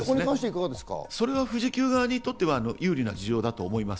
それは富士急側にとっては有利な情報だと思います。